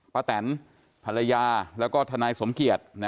แตนภรรยาแล้วก็ทนายสมเกียจ